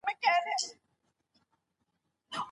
که موږ په مينه ژوند وکړو ټولنه به مو نېکمرغه سي.